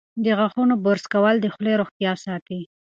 د غاښونو برس کول د خولې روغتیا ساتي.